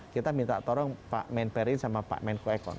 kita minta tolong pak men perin sama pak men kwekon